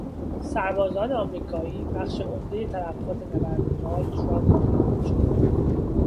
سربازان امریکایی بخش عمدهی تلفات نبرد بالج را متحمل شدند.